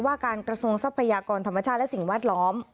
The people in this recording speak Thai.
การกระทรวงทรัพยากรธรรมชาติและสิ่งแวดล้อม